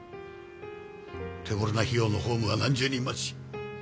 手頃な費用のホームは何十人待ち。